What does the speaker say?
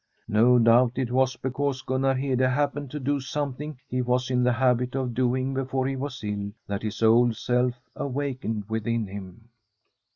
No doubt it was because Gunnar Hede hap pened to do something he was in the habit of doing before he was ill that his old self awakened within him.